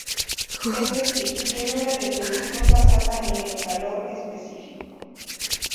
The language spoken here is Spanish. Es decir, tiene una definición basada en el calor específico.